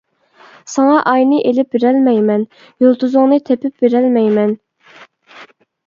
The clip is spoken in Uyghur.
ساڭا ئاينى ئېلىپ بېرەلمەيمەن، يۇلتۇزۇڭنى تېپىپ بېرەلمەيمەن.